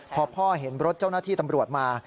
พอพ่อเห็นรถเจ้าหน้าที่ตำรวจมา